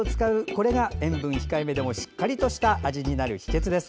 これが塩分控えめでもしっかりした味になる秘けつです。